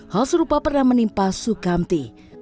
hal serupa pernah menimpa sukamti